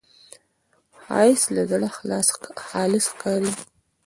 ښایست له زړه خالص ښکاري